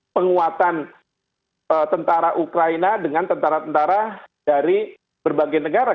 penguatan tentara ukraina dengan tentara tentara dari berbagai negara